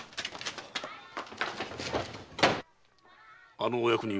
あのお役人は？